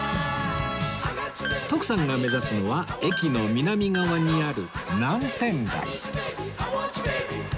徳さんが目指すのは駅の南側にある南店街